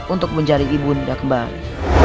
untuk mencari ibu bunda kembali